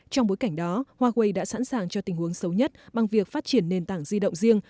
trong bối cảnh đó huawei đã sẵn sàng cho tình huống xấu nhất bằng việc phát triển nền tảng di động riêng